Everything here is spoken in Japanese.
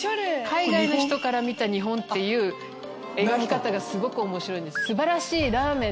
海外の人から見た日本っていう描き方がすごく面白いんです。